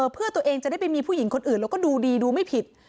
เพื่อตัวเองจะได้ไปมีผู้หญิงคนอื่นแล้วก็ดูดีดูไม่ผิด